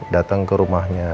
dateng ke rumahnya